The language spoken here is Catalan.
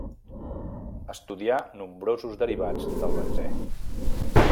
Estudià nombrosos derivats del benzè.